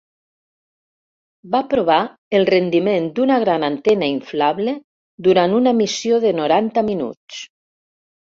Va provar el rendiment d'una gran antena inflable durant una missió de noranta minuts.